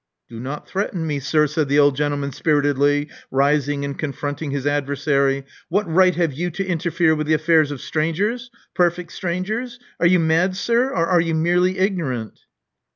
Do not threaten me, sir," said the old gentleman spiritedly, rising and confronting his adversary. What right have you to interfere with the affairs of strangers — perfect strangers? Are you mad, sir; or are you merely ignorant?"